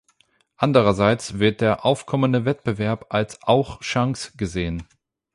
Andererseits wird der aufkommende Wettbewerb als auch Chance gesehen.